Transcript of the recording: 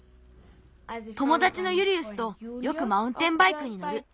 ともだちのユリウスとよくマウンテンバイクにのる。